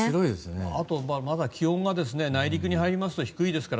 あとまだ、気温が内陸に入りますと低いですから。